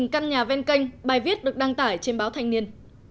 hai mươi căn nhà ven kênh bài viết được đăng tải trên báo thanh niên